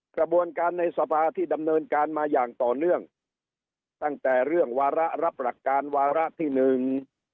กระบวนการในสภาที่ดำเนินการมาอย่างต่อเนื่องตั้งแต่เรื่องวาระรับหลักการวาระที่หนึ่ง